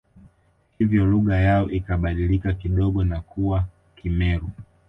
Hivyo lugha yao ikabadilika kidogo na kuwa Kimeru